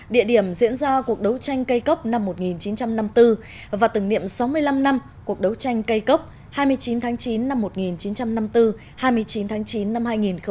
địa điểm diễn ra cuộc đấu tranh cây cốc năm một nghìn chín trăm năm mươi bốn và từng niệm sáu mươi năm năm cuộc đấu tranh cây cốc hai mươi chín tháng chín năm một nghìn chín trăm năm mươi bốn hai mươi chín tháng chín năm hai nghìn hai mươi